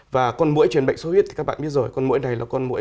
và con mũi truyền bệnh sốt huyết thì các bạn biết rồi con mũi này là con mũi